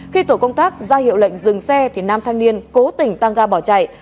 khi tổ công tác ra hiệu lệnh dừng xe thì nam thanh niên cố tình tăng ga bỏ chạy